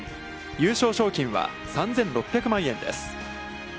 優勝賞金は３６００万円です。